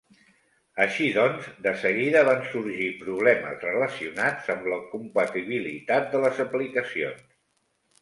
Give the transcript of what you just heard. Així doncs, de seguida van sorgir problemes relacionats amb la compatibilitat de les aplicacions.